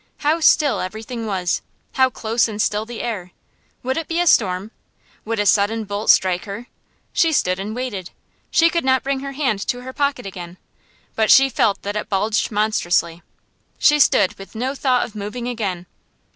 How still everything was how close and still the air! Would it be a storm? Would a sudden bolt strike her? She stood and waited. She could not bring her hand to her pocket again, but she felt that it bulged monstrously. She stood with no thought of moving again.